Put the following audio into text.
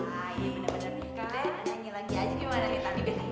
aih bener bener kalian nyanyi lagi aja gimana nih tante